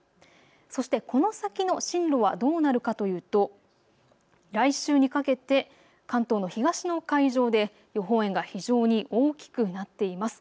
そして、この先の進路はどうなるかというと来週にかけて関東の東の海上で予報円が非常に大きくなっています。